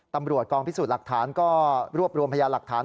ตำรวจกองพิสูจน์หลักฐานก็รวบรวมพยานหลักฐาน